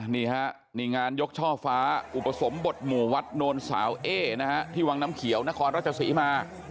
นี่ฮะนี่งานยกช่อฟ้าอุปสมบทหมู่วัดโนนสาวเอ๊นะฮะที่วังน้ำเขียวนครราชศรีมา